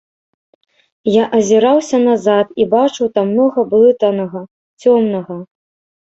Я азіраўся назад і бачыў там многа блытанага, цёмнага.